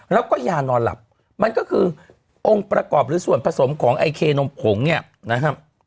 แล้วก็ยานอนหลับมันก็คือองค์ประกอบหรือส่วนผสมของไอเคนมผงเนี่ยนะครับ